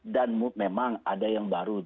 dan memang ada yang baru